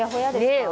ねえ。